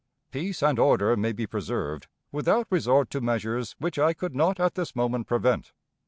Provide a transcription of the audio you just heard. ... Peace and order may be preserved without resort to measures which I could not at this moment prevent.